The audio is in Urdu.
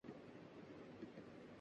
روسی عوام نے یہ سب کچھ کیسے برداشت کیا؟